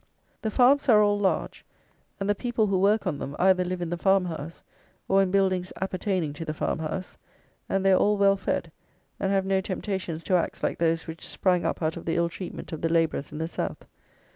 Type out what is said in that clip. The farms are all large; and the people who work on them either live in the farmhouse, or in buildings appertaining to the farmhouse; and they are all well fed, and have no temptation to acts like those which sprang up out of the ill treatment of the labourers in the South.